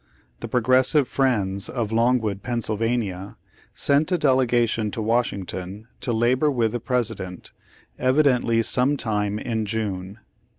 The Progressive Friends, of Longwood, Pa., sent a delegation to Washington to labor Vv^ith the President, evidently some time in June.